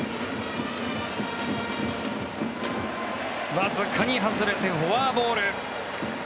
わずかに外れてフォアボール。